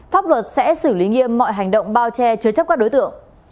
pháp luật sẽ xử lý nghiêm mọi hành động bao che chứa chấp các đối tượng